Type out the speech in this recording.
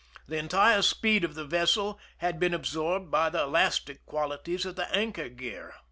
The entire speed of the vessel had been absorbed by the elas tic qualities of the anchor gear.